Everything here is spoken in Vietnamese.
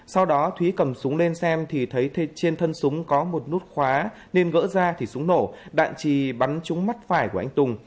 sau đó thúy cầm súng lên xem thì thấy trên thân súng có một nút khóa nên gỡ ra thì súng nổ đạn trì bắn trúng mắt phải của anh tùng